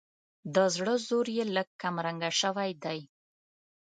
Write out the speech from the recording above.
د زړه زور یې لږ کمرنګه شوی دی.